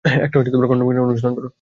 একটা কনডম কিনে অনুশীলন কর।